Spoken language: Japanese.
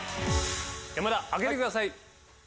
山田開けてください。